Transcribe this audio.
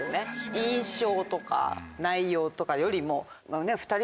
印象とか内容とかよりも。